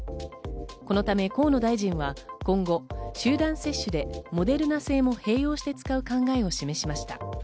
このため河野大臣は今後、集団接種でモデルナ製も併用して使う考えを示しました。